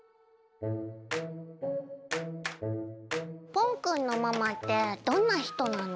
ぽんくんのママってどんな人なの？